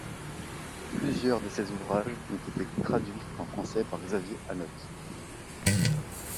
Plusieurs de ses ouvrages ont été traduits en français par Xavier Hanotte.